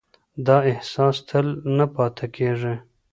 دا احساس تل نه پاتې کېږي.